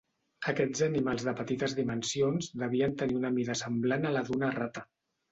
Aquests animals de petites dimensions devien tenir una mida semblant a la d'una rata.